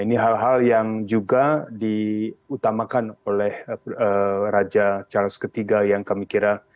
ini hal hal yang juga diutamakan oleh raja charles iii yang kami kira